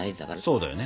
そうだよね。